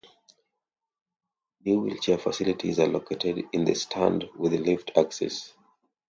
New wheelchair facilities are located in the stand with lift access.